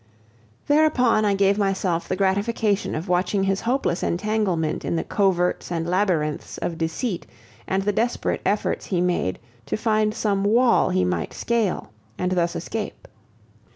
Thereupon I gave myself the gratification of watching his hopeless entanglement in the coverts and labyrinths of deceit and the desperate efforts he made to find some wall he might scale and thus escape.